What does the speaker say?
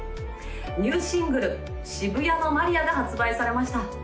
ニューシングル「渋谷のマリア」が発売されました